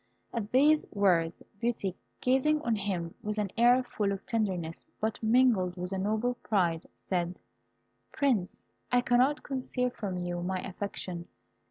At these words, Beauty, gazing on him with an air full of tenderness, but mingled with a noble pride, said, "Prince, I cannot conceal from you my affection.